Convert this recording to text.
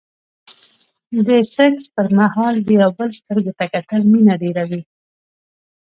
د سکس پر مهال د يو بل سترګو ته کتل مينه ډېروي.